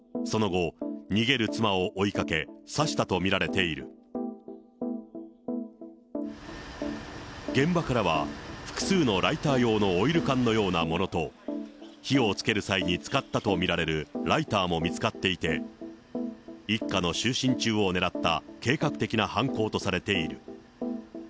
複数の刃物を持ち、被害者の家に忍び込んだ遠藤被告は、複数のライター用のオイル缶のようなものと、火をつける際に使ったと見られるライターも見つかっていて、一家の就寝中を狙った計画的な犯行とされている。